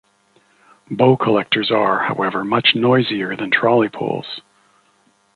Bow collectors are, however, much noisier than trolley poles.